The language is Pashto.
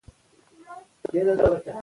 هغه کتاب چې ما لوستلی ډېر ګټور و.